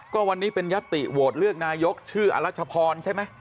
ก็วันนี้เป็นยัตติโหวตเลือกนายกชื่ออรัชพรใช่ไหม